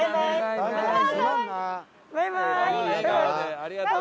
ありがとう！